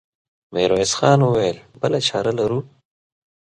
ميرويس خان وويل: بله چاره لرو؟